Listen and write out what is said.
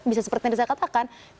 bisa seperti yang saya katakan